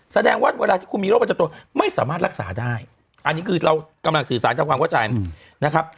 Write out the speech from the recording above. แสดงว่าเวลาที่คุณมีโรคประจำตัวไม่สามารถรักษาได้อันนี้คือเรากำลังสื่อสารทำความเข้าใจนะครับ